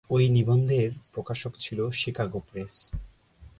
ওই নিবন্ধের প্রকাশক ছিলো শিকাগো প্রেস।